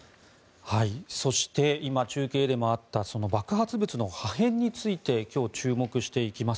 そして今、中継でもあった爆発物の破片について今日、注目していきます。